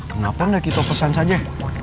kenapa enggak kita pesan saja